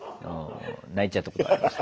泣いちゃったことありました。